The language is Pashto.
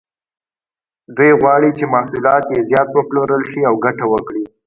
دوی غواړي چې محصولات یې زیات وپلورل شي او ګټه وکړي.